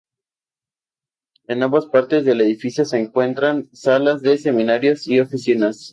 En ambas partes del edificio se encuentran salas de seminarios y oficinas.